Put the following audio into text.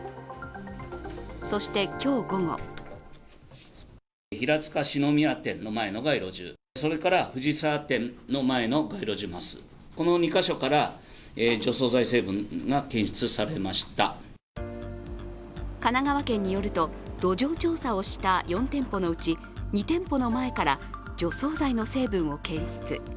そして今日午後神奈川県によると土壌調査をした４店舗のうち、２店舗の前から除草剤の成分を検出。